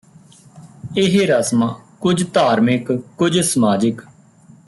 ਇਹ ਰਸਮਾਂ ਕੁਝ ਧਾਰਮਿਕ ਕੁਝ ਸਮਾਜਿਕ